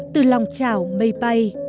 từ lòng chảo mây bay